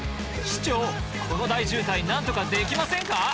市長この大渋滞何とかできませんか？